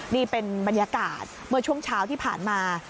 นี่เป็นบรรยากาศเมื่อช่วงเช้าที่ผ่านมา